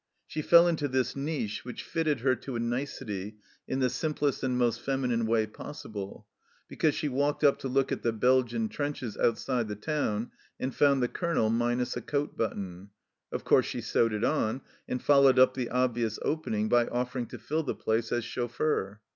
She fell into this niche, which fitted her to a nicety, in the simplest and most feminine way possible, because she walked up to look at the Belgian trenches outside the town, and found the Colonel minus a coat button. Of course she sewed it on, and followed up the obvious opening by offer ing to fill the place as chauffeur.